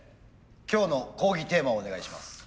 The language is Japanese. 今日の講義テーマをお願いします。